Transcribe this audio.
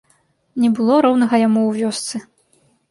Не было роўнага яму ў вёсцы.